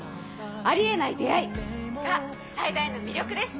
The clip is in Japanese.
あり得ない出合い。が最大の魅力です。